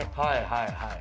はいはい。